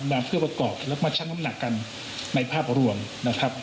มาเพื่อประกอบแล้วมาชั่งน้ำหนักกันในภาพรวมนะครับ